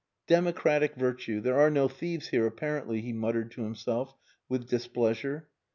"Democratic virtue. There are no thieves here, apparently," he muttered to himself, with displeasure.